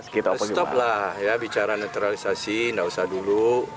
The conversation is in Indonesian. kita stop lah ya bicara naturalisasi gak usah dulu